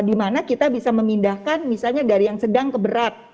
dimana kita bisa memindahkan misalnya dari yang sedang ke berat